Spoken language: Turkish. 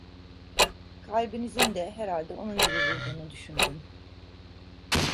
Kalbinizin de herhalde onun gibi vurduğunu düşündüm.